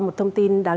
một thông tin đại chúng